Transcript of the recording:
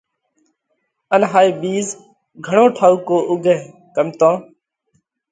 ان هائي ٻِيز گھڻو ٺائُوڪو اُوڳئه ڪم تو